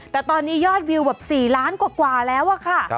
แต่ตอนนี้ยอดวิวแบบ๔ล้านกว่าแล้วอะค่ะ